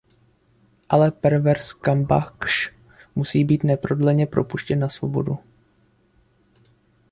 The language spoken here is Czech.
Ale Perwez Kambakhsh musí být neprodleně propuštěn na svobodu.